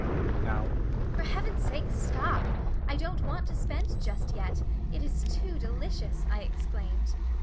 "For Heaven's sake stop! I don't want to spend just yet. It is too delicious," I exclaimed.